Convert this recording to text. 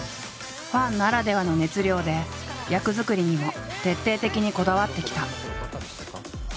ファンならではの熱量で役作りにも徹底的にこだわってきた。